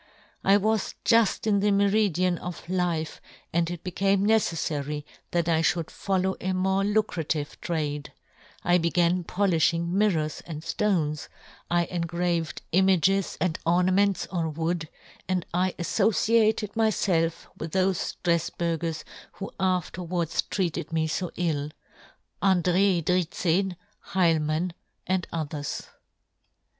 I was juft in the " meridian of life, and it became " neceflary that I fhould follow a " more lucrative trade. I began " polifhing mirrors and ftones ; I en " graved images and ornaments on " wood; andl affociatedmyfelfwith 16 122 yohn Gutenberg. " thofe Straflburgers who afterwards " treated me fo ill, Andre Dritzehn, " Heilmann, and others.